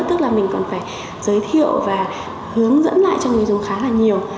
tức là mình còn phải giới thiệu và hướng dẫn lại cho người dùng khá là nhiều